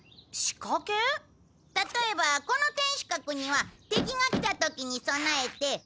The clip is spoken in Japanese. たとえばこの天守閣には敵が来た時に備えて。